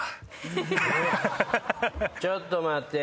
ちょっと待って。